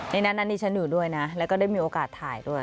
นี่ฉันอยู่ด้วยนะแล้วก็ได้มีโอกาสถ่ายด้วย